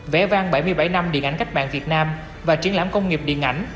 vẽ vang bảy mươi bảy năm điện ảnh cách mạng việt nam và triển lãm công nghiệp điện ảnh